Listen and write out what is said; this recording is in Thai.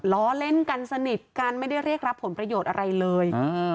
ล้อเล่นกันสนิทกันไม่ได้เรียกรับผลประโยชน์อะไรเลย